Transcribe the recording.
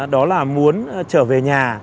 đó là muốn trở về nhà